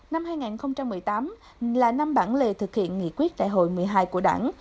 năm hai nghìn một mươi tám là năm bản lề thực hiện nghị quyết đại hội một mươi hai của đảng